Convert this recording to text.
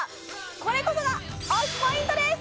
これこそが推しポイントです！